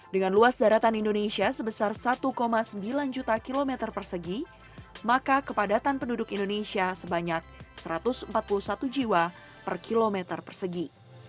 dengan luas daratan indonesia sebesar satu sembilan juta kilometer persegi maka kepadatan penduduk indonesia sebanyak satu ratus empat puluh satu jiwa per kilometer persegi